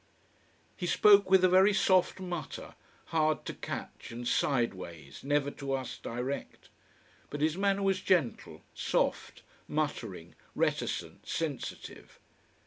He spoke with a very soft mutter, hard to catch, and sideways, never to us direct. But his manner was gentle, soft, muttering, reticent, sensitive.